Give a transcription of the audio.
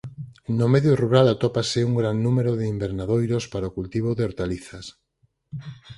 No medio rural atópase un gran número de invernadoiros para o cultivo de hortalizas.